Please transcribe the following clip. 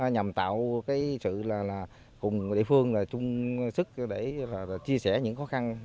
nhằm tạo sự cùng địa phương chung sức để chia sẻ những khó khăn